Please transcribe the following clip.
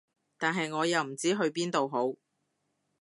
但係我又唔知去邊度好